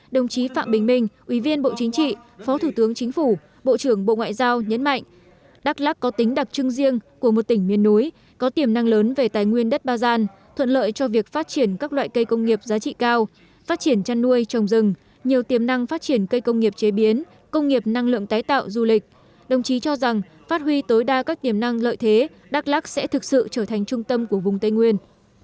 đồng chí cho rằng phát huy tối đa các tiềm năng lợi thế đắk lắc sẽ thực sự trở thành trung tâm của vùng tây nguyên